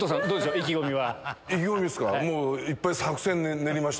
意気込みは。